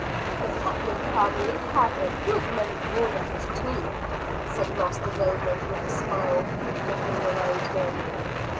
"The Putnam family have a good many broad acres too," said Master Raymond, with a smile, looking around him.